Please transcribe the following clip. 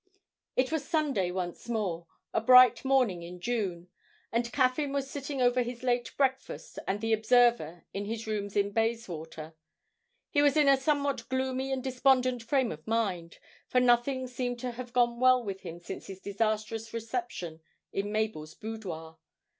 It was Sunday once more a bright morning in June and Caffyn was sitting over his late breakfast and the 'Observer' in his rooms at Bayswater. He was in a somewhat gloomy and despondent frame of mind, for nothing seemed to have gone well with him since his disastrous reception in Mabel's boudoir.